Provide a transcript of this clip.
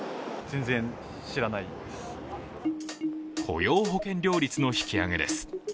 雇用保険料率の引き上げです。